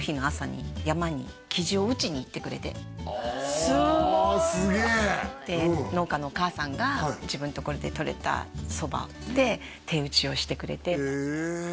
すげえすごいわで農家のおかあさんが自分のところでとれた蕎麦で手打ちをしてくれてへえ